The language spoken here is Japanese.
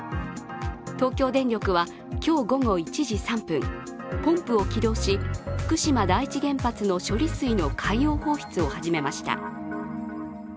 東京電力は今日午後１時３分、ポンプを起動し、福島第一原発の処理水の海洋放出を始めました